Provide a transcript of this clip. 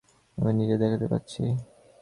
আমি নিজেই দেখতে পাচ্ছি আমার ভিতরটা শূন্য।